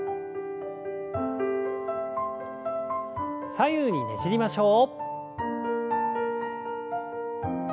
左右にねじりましょう。